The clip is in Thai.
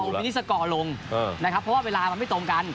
เขาจะเอามินิสกอร์ลงเออนะครับเพราะว่าเวลามันไม่ตรงกัน